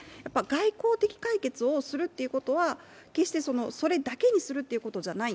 外交的解決をするということは決してそれだけにするということじゃない。